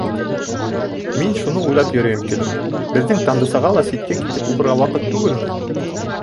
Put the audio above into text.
Мин шуны уйлап йөрөйөм, килен: беҙҙең Тандысаға ла ситкә китеп уҡырға ваҡыт түгелме?